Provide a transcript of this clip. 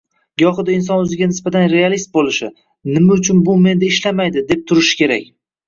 Gohida inson oʻziga nisbatan realist boʻlishi, nima uchun bu menda ishlamaydi, deb turishi kerak.